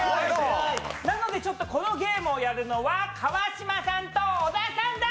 なのでこのゲームをするのは川島さんと小田さんだー！